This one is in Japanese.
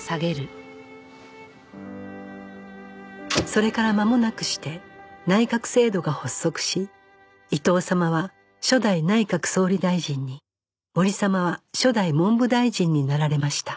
それからまもなくして内閣制度が発足し伊藤様は初代内閣総理大臣に森様は初代文部大臣になられました